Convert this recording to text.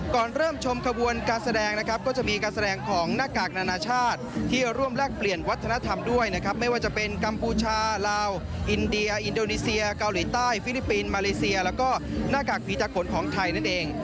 ก่อนเริ่มชมขบวนการแสดงนะครับก็จะมีการแสดงของหน้ากากนานาชาติที่ร่วมแลกเปลี่ยนวัฒนธรรมด้วยนะครับไม่ว่าจะเป็นกัมพูชาลาวอินเดียอินโดนีเซียเกาหลีใต้ฟิลิปปินส์มาเลเซียแล้วก็หน้ากากผีตาขนของไทยนั่นเอง